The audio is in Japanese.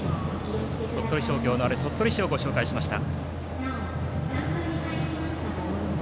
鳥取商業のある鳥取市をご紹介しました。